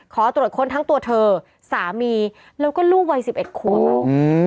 ขอตรวจค้นทั้งตัวเธอสามีแล้วก็ลูกวัยสิบเอ็ดขวบอ่ะอืม